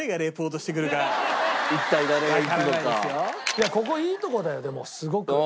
いやここいいとこだよでもすごく。